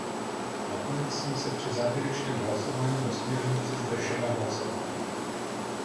Nakonec jsem se při závěrečném hlasování o směrnici zdržela hlasování.